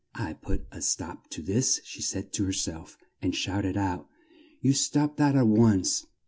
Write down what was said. "I'll put a stop to this," she said to her self, and shout ed out, "You stop that, at once!"